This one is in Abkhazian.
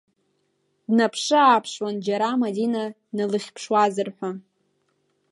Днаԥшы-ааԥшуан, џьара Мадина дналыхьԥшуазар ҳәа.